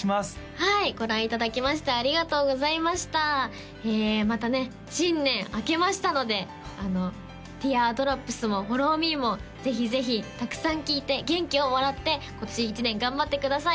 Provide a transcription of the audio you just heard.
はいご覧いただきましてありがとうございましたまたね新年明けましたので「Ｔｅａｒｄｒｏｐｓ」も「Ｆｏｌｌｏｗｍｅ！」もぜひぜひたくさん聴いて元気をもらって今年一年頑張ってください